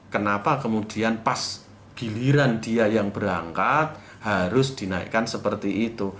kenapa kemudian pas giliran dia yang berangkat harus dinaikkan seperti itu